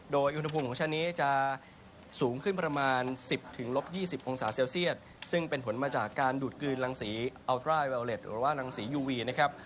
โดยอุณหภูมิของชั้นนี้จะสูงขึ้นประมาณ๑๐ลบ๒๐องศาเซลเซียตซึ่งเป็นผลมาจากการดูดกลืนรังสีอัลตราเวลเล็ตหรือว่ารังสียูวีนะครับ